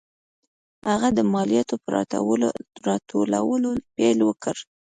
هغه د مالیاتو په راټولولو پیل وکړ.